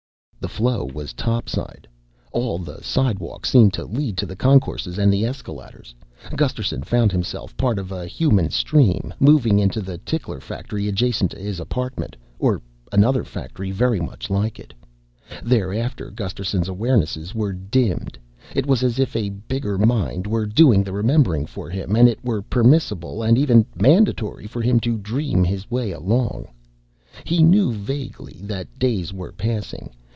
The flow was topside. All the slidewalks seemed to lead to the concourses and the escaladders. Gusterson found himself part of a human stream moving into the tickler factory adjacent to his apartment or another factory very much like it. Thereafter Gusterson's awarenesses were dimmed. It was as if a bigger mind were doing the remembering for him and it were permissible and even mandatory for him to dream his way along. He knew vaguely that days were passing.